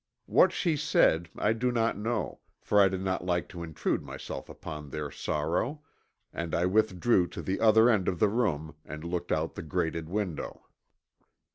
What she said I do not know, for I did not like to intrude myself upon their sorrow, and I withdrew to the other end of the room and looked out the grated window.